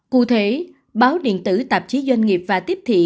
cụ thể báo điện tử tạp chí doanh nghiệp và tiếp thị